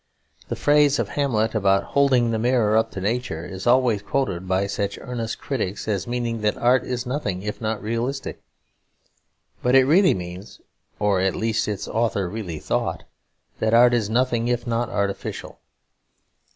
The phrase of Hamlet about "holding the mirror up to nature" is always quoted by such earnest critics as meaning that art is nothing if not realistic. But it really means (or at least its author really thought) that art is nothing if not artificial.